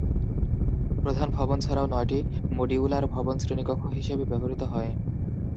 প্রধান ভবন ছাড়াও নয়টি মডিউলার ভবন শ্রেণীকক্ষ হিসেবে ব্যবহৃত হয়।